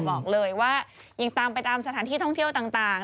บอกเลยว่ายังตามไปตามสถานที่ท่องเที่ยวต่าง